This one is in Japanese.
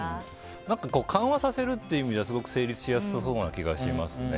緩和させるって意味ではすごく成立しやすそうな気がしますね。